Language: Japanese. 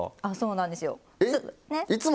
あそうなんですよ。え？